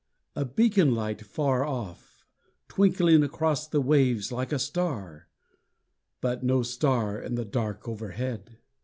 A beacon light far off, Twinkling across the waves like a star! But no star in the dark overhead!